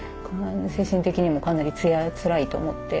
精神的にもかなりつらいと思って。